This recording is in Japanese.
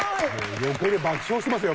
横で爆笑してますよ